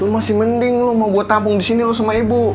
lu masih mending lu mau gue tampung disini lu sama ibu